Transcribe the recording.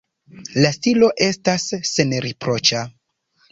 La stilo estas senriproĉa.